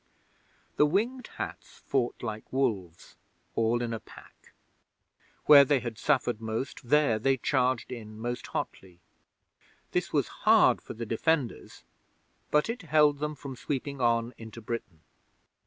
'The Winged Hats fought like wolves all in a pack. Where they had suffered most, there they charged in most hotly. This was hard for the defenders, but it held them from sweeping on into Britain.